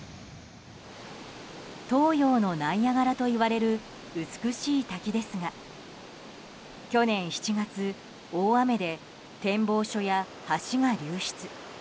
東洋のナイアガラといわれる美しい滝ですが去年７月大雨で展望所や橋が流出。